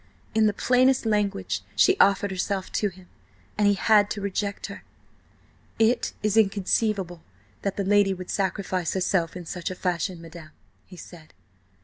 In the plainest language she offered herself to him, and he had to reject her. "It is inconceivable that the lady would sacrifice herself in such a fashion, madam," he said.